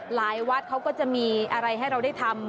หลายวัดเขาก็จะมีอะไรให้เราได้ทำ